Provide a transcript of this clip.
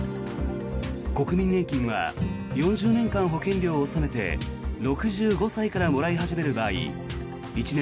国民年金は４０年間保険料を納めて６５歳からもらい始める場合